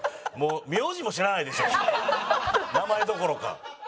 名字も知らないでしょ名前どころか。